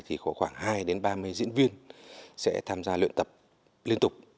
thì có khoảng hai ba mươi diễn viên sẽ tham gia luyện tập liên tục